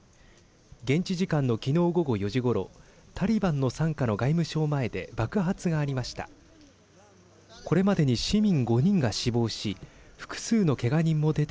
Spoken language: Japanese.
現地時間の昨日午後４時ごろタリバンの傘下の外務省前で爆発がありました。